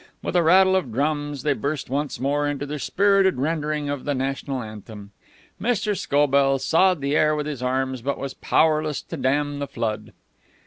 With a rattle of drums they burst once more into their spirited rendering of the national anthem. Mr. Scobell sawed the air with his arms, but was powerless to dam the flood.